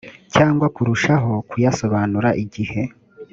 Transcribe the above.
cyangwa kurushaho kuyasobanura igihe